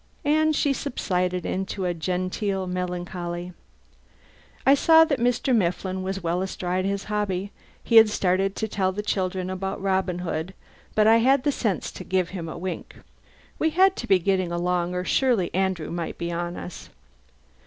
'" And she subsided into a genteel melancholy. I saw that Mr. Mifflin was well astride his hobby: he had started to tell the children about Robin Hood, but I had the sense to give him a wink. We had to be getting along or surely Andrew might be on us.